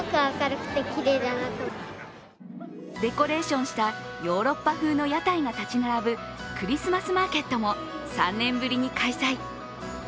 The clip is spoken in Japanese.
デコレーションしたヨーロッパ風の屋台が建ち並ぶクリスマスマーケットも３年ぶりに開催。